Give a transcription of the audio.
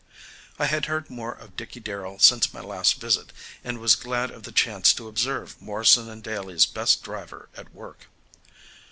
I had heard more of Dickey Darrell since my last visit, and was glad of the chance to observe Morrison & Daly's best "driver" at work.